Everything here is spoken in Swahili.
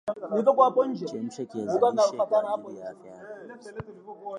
kupitia mtandao na kuzua maandamano makubwa ya kitaifa